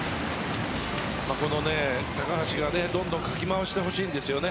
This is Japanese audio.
高橋がどんどんかき回してほしいですね。